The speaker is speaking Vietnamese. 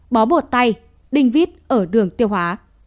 bó bột tay đinh vít ở đường tiêu hóa